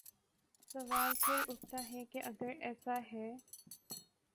سوال پھر اٹھتا ہے کہ اگر ایسا ہے۔